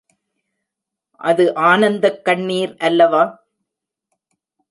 அது ஆனந்தக்கண்ணிர் அல்லவா?